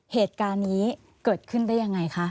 เหตุการณ์นี้เกิดขึ้นได้ยังไงคะ